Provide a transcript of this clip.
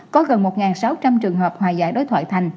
có gần một sáu trăm linh trường hợp hòa giải đối thoại thành